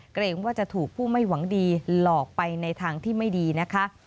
เกรงว่าจะถูกผู้ไม่หวังดีหลอกไปในทางที่ไม่ดีนะคะ